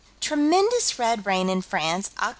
Tremendous red rain in France, Oct.